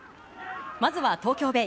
まずは東京ベイ。